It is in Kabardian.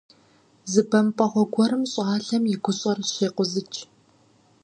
Зы бэмпӀэгъуэ гуэрым щӏалэм и гущӀэр щекъузыкӀ.